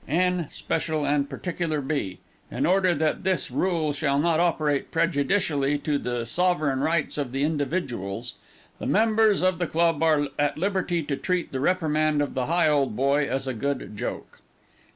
N. special and particular B. In order that this rule shall not operate prejudicially to the sovereign rights of individuals, the members of the club are at liberty to treat the reprimand of the Higholdboy as a good joke.